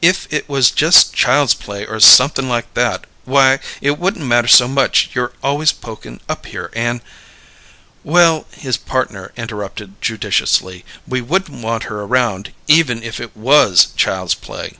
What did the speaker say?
If it was just child's play or something like that, why, it wouldn't matter so much your always pokin' up here, and " "Well," his partner interrupted judicially; "we wouldn't want her around, even if it was child's play."